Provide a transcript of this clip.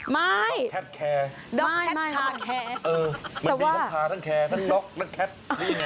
ไม่ด็อกแคทคาแครนั่นด็อกนั่นแคทนี่ไง